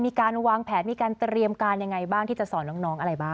มีการวางแผนมีการเตรียมการยังไงบ้างที่จะสอนน้องอะไรบ้าง